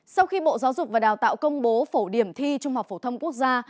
sau khi bộ giáo dục và đào tạo công bố phổ điểm thi trung học phổ thông quốc gia